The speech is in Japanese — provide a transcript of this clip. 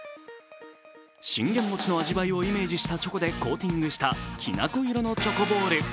信玄餅の味わいをイメージしたチョコでコーティングしたきな粉色のチョコボール。